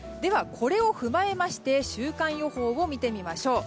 これを踏まえて週間予報を見てみましょう。